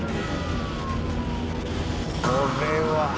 これは。